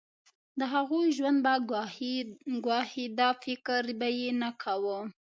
د هغوی ژوند به ګواښي دا فکر به یې نه کاوه.